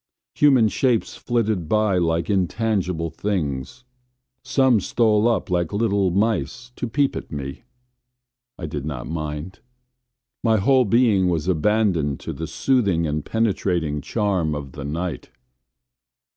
Human shapes flitted by like intangible things. Some stole up like little mice to peep at me. I did not mind. My whole being was abandoned to the soothing and penetrating charm of the night.